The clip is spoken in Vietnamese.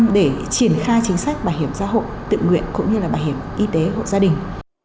để triển khai chính sách bảo hiểm xã hội tự nguyện cũng như là bảo hiểm y tế hộ gia đình